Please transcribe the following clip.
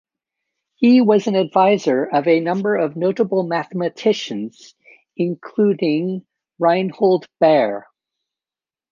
He was an advisor of a number of notable mathematicians, including Reinhold Baer.